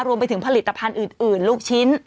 รวมไปถึงผลิตภัณฑ์อื่นลูกชิ้น